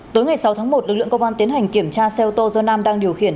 tối ngày sáu tháng một lực lượng công an tiến hành kiểm tra xe ô tô do nam đang điều khiển